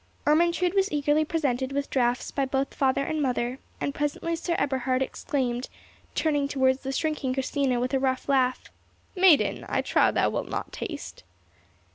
Ermentrude was eagerly presented with draughts by both father and brother, and presently Sir Eberhard exclaimed, turning towards the shrinking Christina with a rough laugh, "Maiden, I trow thou wilt not taste?"